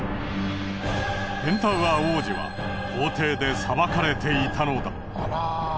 ペンタウアー王子は法廷で裁かれていたのだ。